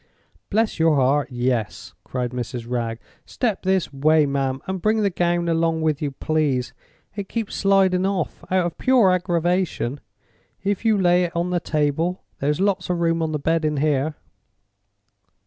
"Bless your heart—yes!" cried Mrs. Wragge. "Step this way, ma'am; and bring the gown along with you, please. It keeps sliding off, out of pure aggravation, if you lay it out on the table. There's lots of room on the bed in here."